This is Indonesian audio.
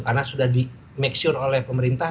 karena sudah di make sure oleh pemerintah